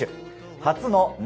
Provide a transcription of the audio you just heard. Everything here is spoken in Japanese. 初の夏